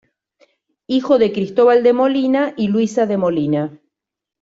Hijo de Cristóbal de Molina y Luisa de Molina.